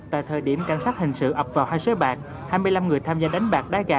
tại thời điểm cảnh sát hình sự ập vào hai sới bạc hai mươi năm người tham gia đánh bạc đá gà